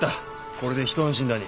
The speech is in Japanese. これで一安心だに。